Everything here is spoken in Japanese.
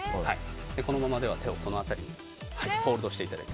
このまま、手をこの辺りでホールドしていただいて。